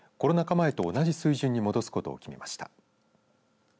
前と同じ水準に戻すことを決めました。